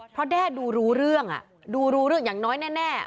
เพราะแด้ดูรู้เรื่องดูรู้เรื่องอย่างน้อยแน่